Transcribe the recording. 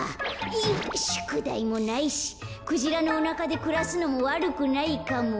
しゅくだいもないしクジラのおなかでくらすのもわるくないかも。